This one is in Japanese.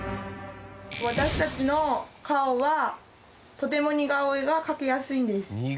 私たちの顔はとても似顔絵が描きやすいんです。